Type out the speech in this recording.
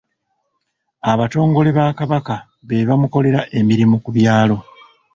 Abatongole ba Kabaka be bamukolera emirimu ku byalo.